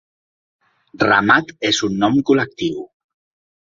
Ramat és un nom col·lectiu.